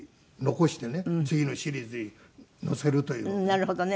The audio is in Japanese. なるほどね。